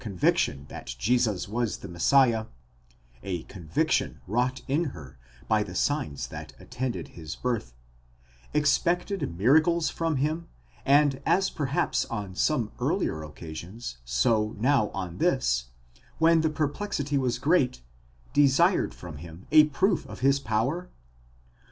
conviction that Jesus was the Messiah, a conviction wrought in her by the signs that attended his birth, expected miracles from him, and as perhaps on some earlier occasions, so now on this, when the perplexity was great, desired from him a proof of his power???